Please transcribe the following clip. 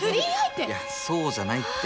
いやそうじゃないって。